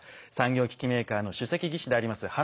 産業機器メーカーの主席技師であります